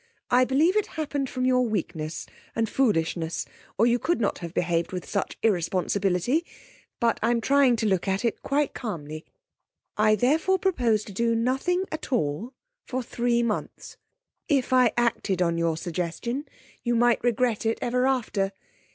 I believe it happened from your weakness and foolishness, or you could not have behaved with such irresponsibility, but I'm trying to look at it quite calmly. I therefore propose to do nothing at all for three months. If I acted on your suggestion you might regret it ever after.